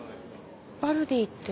バルディって？